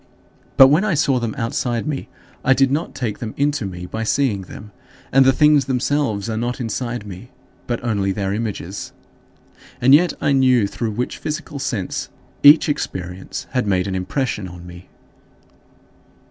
But when I saw them outside me, I did not take them into me by seeing them; and the things themselves are not inside me, but only their images. And yet I knew through which physical sense each experience had made an impression on me.